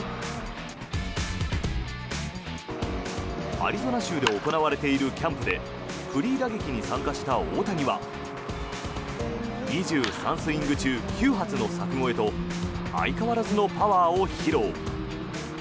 アリゾナ州で行われているキャンプでフリー打撃に参加した大谷は２３スイング中９発の柵越えと相変わらずのパワーを披露。